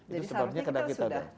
jadi seharusnya kita sudah